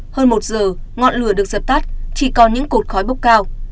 hơn một giờ ngọn lửa được dập tắt chỉ còn những cột khói bốc cao